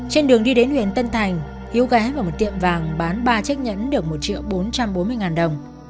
trên đường đi đến huyện tân thành hiếu ghé vào một tiệm vàng bán ba trách nhẫn được một triệu bốn trăm bốn mươi ngàn đồng